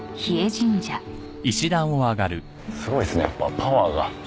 すごいですねやっぱパワーが。